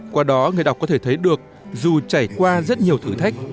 qua đó người đọc có thể thấy được dù trải qua rất nhiều thử thách